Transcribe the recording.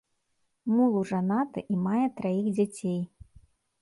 Мулу жанаты і мае траіх дзяцей.